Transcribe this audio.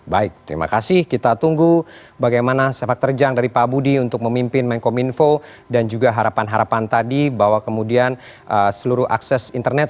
baik terima kasih kita tunggu bagaimana sepak terjang dari pak budi untuk memimpin menkominfo dan juga harapan harapan tadi bahwa kemudian seluruh akses internet